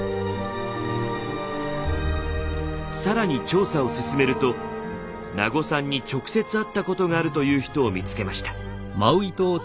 更に調査を進めると名護さんに直接会ったことがあるという人を見つけました。